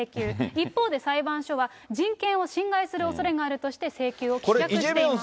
一方で、裁判所は人権を侵害するおそれがあるとして請求を棄却しています。